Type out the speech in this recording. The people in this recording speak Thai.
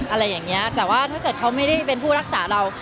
อะไรอย่างเงี้ยแต่ว่าถ้าเกิดเขาไม่ได้เป็นผู้รักษาเรา